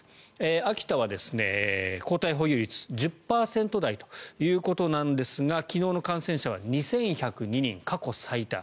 秋田は抗体保有率１０％台ということなんですが昨日の感染者は２１０２人過去最多。